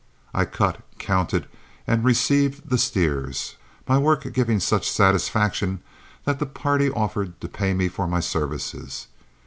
I cut, counted, and received the steers, my work giving such satisfaction that the party offered to pay me for my services.